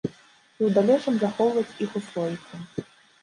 І ў далейшым захоўваць іх у слоіку.